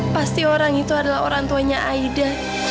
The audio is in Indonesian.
pasti orang itu adalah orang tuanya aida